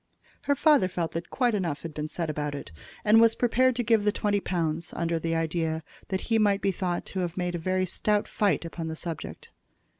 Her father felt that quite enough had been said about it, and was prepared to give the twenty pounds, under the idea that he might be thought to have made a stout fight upon the subject.